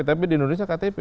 tapi di indonesia ktp